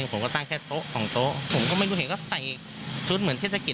ผมก็ตั้งแค่โต๊ะของโต๊ะผมก็ไม่รู้เห็นก็ใส่ชุดเหมือนเทศกิจ